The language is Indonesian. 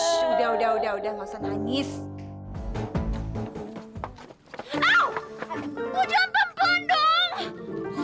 shhh udah udah udah udah masa nangis